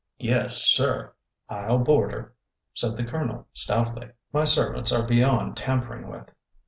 Yes, sir, I 'll board her," said the Colonel, stoutly. My servants are beyond tampering with."